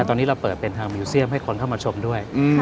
ตอนนี้เราเปิดเป็นทางมิวเซียมให้คนเข้ามาชมด้วย